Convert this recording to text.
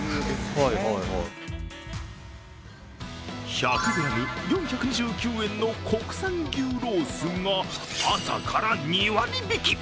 １００ｇ、４２９円の国産牛ロースが朝から２割引き。